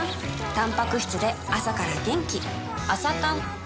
たんぱく質で朝から元気